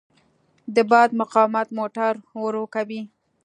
د باد مقاومت موټر ورو کوي.